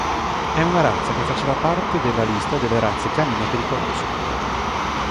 È una razza che faceva parte della lista delle razze canine pericolose.